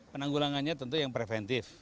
penanggulangannya tentu yang preventif